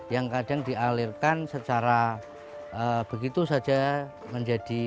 yang kadang dialirkan secara begitu saja menjadi